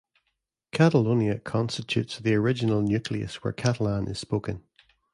Catalonia constitutes the original nucleus where Catalan is spoken.